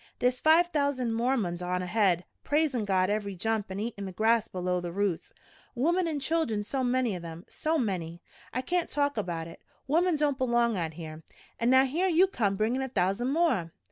There's five thousand Mormons on ahead, praisin' God every jump an' eatin' the grass below the roots. Womern an' children so many of 'em, so many! I kain't talk about hit! Women don't belong out here! An' now here you come bringin' a thousand more!